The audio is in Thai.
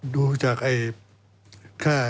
ดูจาก